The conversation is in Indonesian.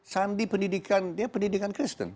sandi pendidikan dia pendidikan kristen